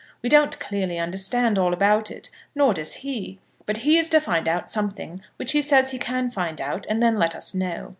We don't clearly understand all about it, nor does he; but he is to find out something which he says he can find out, and then let us know.